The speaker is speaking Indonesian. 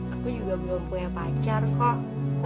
aku juga belum punya pacar kok